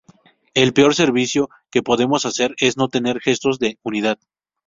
El peor servicio que podemos hacer es no tener gestos de unidad.